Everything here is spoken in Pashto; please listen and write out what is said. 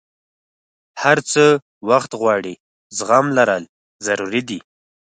هر څه وخت غواړي، زغم لرل ضروري دي.